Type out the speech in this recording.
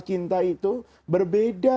cinta itu berbeda